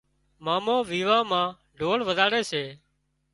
مامو ويوان مان ڍول وزاڙي سي